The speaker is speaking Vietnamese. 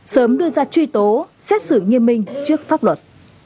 sớm đưa ra truy tố xét xử nghiêm minh trước pháp luật